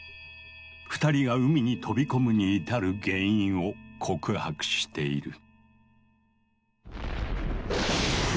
二人が海に飛び込むに至る原因を告白している。